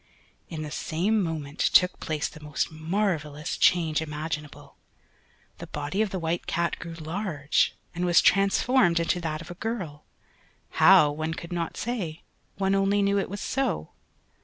In the same moment took place the most marvellous change imaginable. The body of the White Cat grew large, and was transformed into that of a girl; how, one could not say; one only knew it was so.